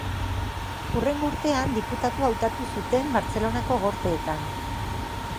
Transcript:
Hurrengo urtean diputatu hautatu zuten Bartzelonako Gorteetan.